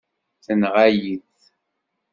Tenɣa-yi-t.